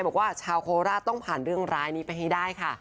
บอกว่าชาวโคราชต้องผ่านเรื่องร้ายนี้ไปให้ได้ค่ะ